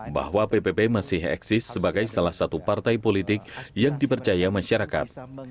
bahwa ppp masih eksis sebagai salah satu partai politik yang dipercaya masyarakat